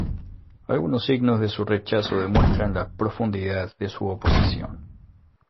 Algunos signos de su rechazo demuestran la profundidad de su oposición.